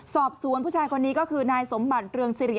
สอบสวนผู้ชายคนนี้ก็คือนายสมบัติเรืองสิริ